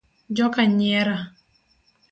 Joka nyiera.